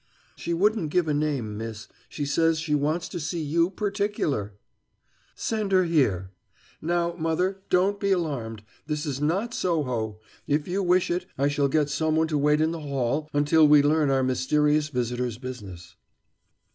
"She wouldn't give a name, miss; she says she wants to see you perticular." "Send her here.... Now, mother, don't be alarmed. This is not Soho. If you wish it, I shall get someone to wait in the hall until we learn our mysterious visitor's business."